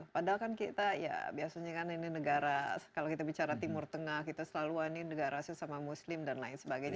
padahal kan kita ya biasanya kan ini negara kalau kita bicara timur tengah kita selalu wah ini negara sesama muslim dan lain sebagainya